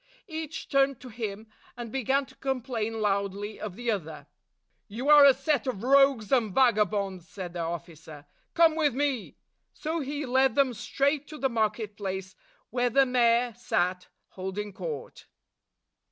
Each turned to him, and began to complain loudly of the other. "You are a set of rogues and vagabonds!" said the officer. "Come with me!" So he led them straight to the market place, where the mayor sat, holding court.